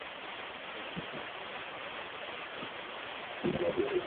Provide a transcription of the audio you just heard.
该算法可用来对图像的目标进行定位和计数。